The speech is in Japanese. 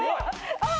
あっ！